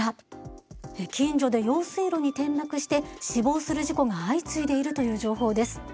近所で用水路に転落して死亡する事故が相次いでいるという情報です。